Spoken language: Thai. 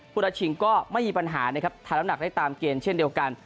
รัชชิงก็ไม่มีปัญหานะครับทานน้ำหนักได้ตามเกณฑ์เช่นเดียวกัน